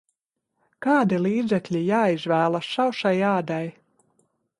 Kādi līdzekļi jāizvēlas sausai ādai?